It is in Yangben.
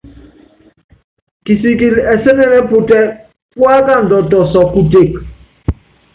Kisikili ɛsɛnɛnɛ́ putɛ́, púákandu akumana kutek.